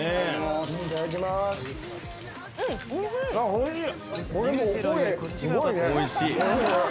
おいしい。